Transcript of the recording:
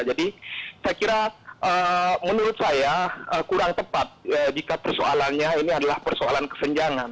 jadi saya kira menurut saya kurang tepat jika persoalannya ini adalah persoalan kesenjangan